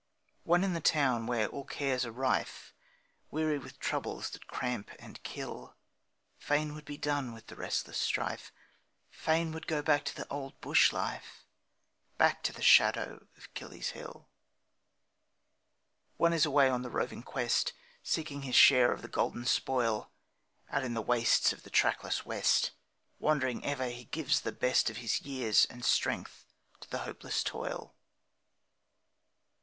One in the town where all cares are rife, Weary with troubles that cramp and kill, Fain would be done with the restless strife, Fain would go back to the old bush life, Back to the shadow of Kiley's Hill. One is away on the roving quest, Seeking his share of the golden spoil, Out in the wastes of the trackless west, Wandering ever he gives the best Of his years and strength to the hopeless toil.